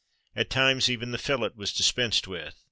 At times even the fillet was dispensed with.